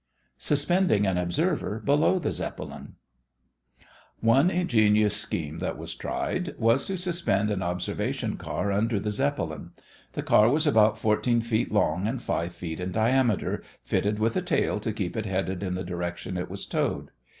SUSPENDING AN OBSERVER BELOW THE ZEPPELIN One ingenious scheme that was tried was to suspend an observation car under the Zeppelin. The car was about fourteen feet long and five feet in diameter, fitted with a tail to keep it headed in the direction it was towed.